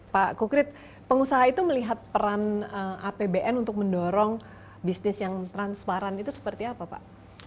pak kukrit pengusaha itu melihat peran apbn untuk mendorong bisnis yang transparan itu seperti apa pak